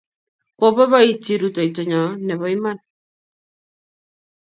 Koipoipoiti rutoito nyo ne po iman.